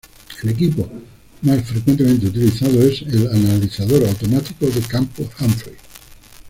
El equipo más frecuentemente utilizado es el "Analizador automático de campo Humphrey".